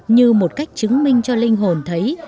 như một cách chứng minh cho linh hồn thấy